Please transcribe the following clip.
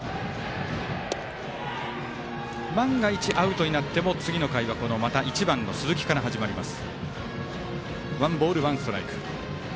万が一、アウトになっても次の回は１番の鈴木から始まります。